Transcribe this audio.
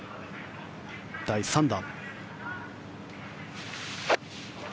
第３打。